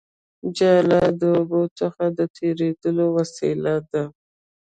جاله د اوبو څخه د تېرېدو وسیله ده